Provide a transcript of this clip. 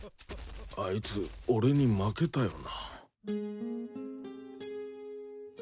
あいつ俺に負けたよな。